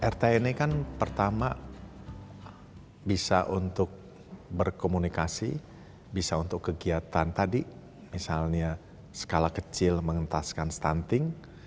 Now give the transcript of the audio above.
rt ini kan pertama bisa untuk berkomunikasi bisa untuk kegiatan tadi misalnya skala kecil mengentaskan stunting